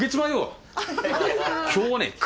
今日はね